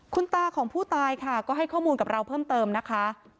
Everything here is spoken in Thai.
คุณตาของผู้ตายก็ให้ข้อมูลเพิ่มเติมกับเรานะคะ